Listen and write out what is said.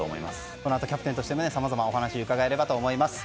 このあとキャプテンとしてさまざまなお話伺えればと思います。